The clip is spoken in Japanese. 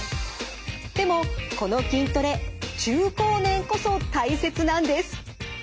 でもこの筋トレ中高年こそ大切なんです。